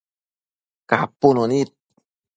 capunu nid